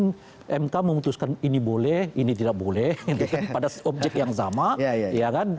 kemudian mk memutuskan ini boleh ini tidak boleh pada objek yang sama ya kan